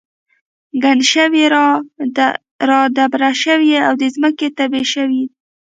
ګڼ شوي را دبره شوي او د ځمکې تبی شوي دي.